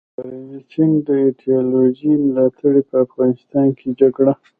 د رنجیت سینګ د ایډیالوژۍ ملاتړي په افغانستان کي جګړه